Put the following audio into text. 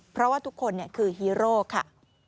เพราะว่าทุกคนคือฮีโร่ค่ะ